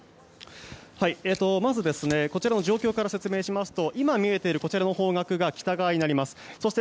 まず、こちらの状況から説明しますと今、見えている方角が北側となります。